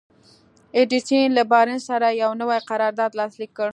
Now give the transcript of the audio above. ايډېسن له بارنس سره يو نوی قرارداد لاسليک کړ.